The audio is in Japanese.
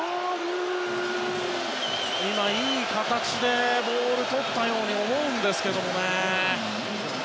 いい形でボールをとったように思うんですけど。